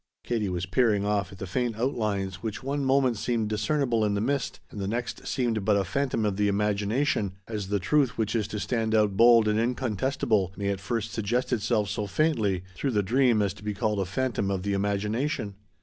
Katie was peering off at the faint outlines which one moment seemed discernible in the mist and the next seemed but a phantom of the imagination, as the truth which is to stand out bold and incontestable may at first suggest itself so faintly through the dream as to be called a phantom of the imagination.